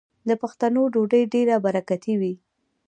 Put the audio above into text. د پښتنو ډوډۍ ډیره برکتي وي.